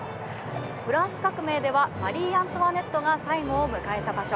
フランス革命ではマリー・アントワネットが最期を迎えた場所。